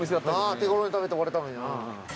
手頃に食べて終われたのにな。